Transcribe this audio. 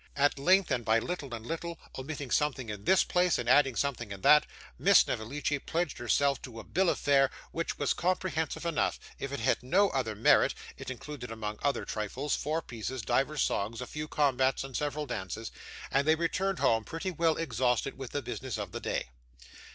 At length, and by little and little, omitting something in this place, and adding something in that, Miss Snevellicci pledged herself to a bill of fare which was comprehensive enough, if it had no other merit (it included among other trifles, four pieces, divers songs, a few combats, and several dances); and they returned home, pretty well exhausted with the business of the day.